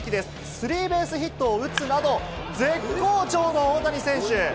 スリーベースヒットを打つなど、絶好調の大谷選手。